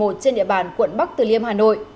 trên địa bàn quận bắc từ liêm hà nội